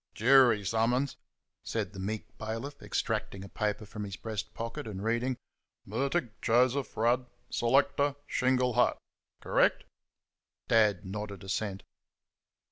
"Jury summons," said the meek bailiff, extracting a paper from his breast pocket, and reading, "Murtagh Joseph Rudd, selector, Shingle Hut...Correct?" Dad nodded assent.